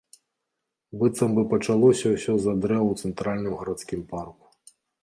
Быццам бы пачалося ўсё з-за дрэў у цэнтральным гарадскім парку.